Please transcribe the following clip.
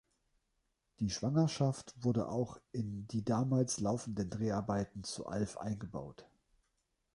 Die Schwangerschaft wurde auch in die damals laufenden Dreharbeiten zu "Alf" eingebaut.